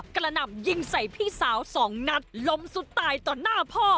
กระหน่ำยิงใส่พี่สาวสองนัดล้มสุดตายต่อหน้าพ่อ